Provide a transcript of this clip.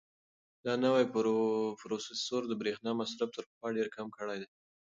دا نوی پروسیسر د برېښنا مصرف تر پخوا ډېر کم کړی دی.